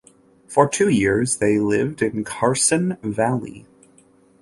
For two years, they lived in Carson Valley.